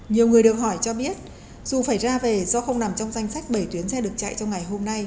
nhiều người đều hỏi cho biết dù phải ra về do không nằm trong danh sách bảy tuyến xe được chạy trong ngày hôm nay